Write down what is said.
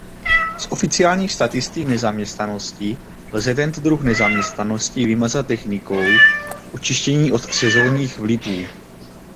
Z oficiálních statistik nezaměstnanosti lze tento druh nezaměstnanosti vymazat technikou "očištění od sezónních vlivů".